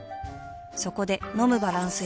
そこで飲むバランス栄養食